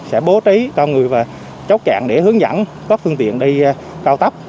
sẽ bố trí cho người và chốc chạm để hướng dẫn các phương tiện đi cao tốc